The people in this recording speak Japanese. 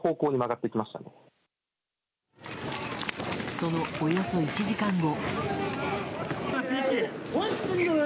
そのおよそ１時間後。